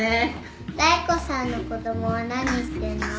妙子さんの子供は何してんの？